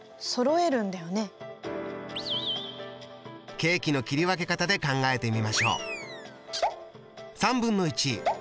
ケーキの切り分け方で考えてみましょう。